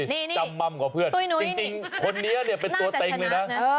นี่จำม่ำกว่าเพื่อนจริงคนนี้เนี่ยเป็นตัวเต็งเลยนะ